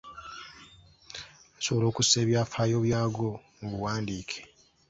Gasobola okussa ebyafaayo byago mu buwandiike.